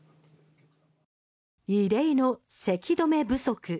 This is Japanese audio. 異例のせき止め不足。